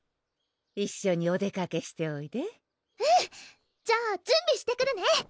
一緒にお出かけしておいでうんじゃあ準備してくるね